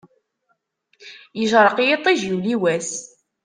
Yecṛeq yiṭṭij yuli wass.